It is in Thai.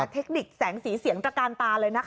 เทคนิคแสงสีเสียงตระการตาเลยนะคะ